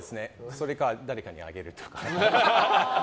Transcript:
それか、誰かにあげるとか。